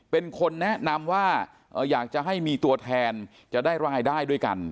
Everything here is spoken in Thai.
เป็นคนแนะนำว่าอยากจะให้มีตัวแทนจะได้รายได้ด้วยกัน